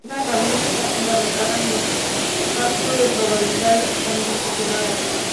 Esta herramienta está fundamentada en el cálculo de probabilidades condicionadas.